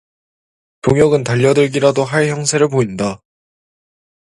동혁은 달려들기라도 할 형세를 보인다.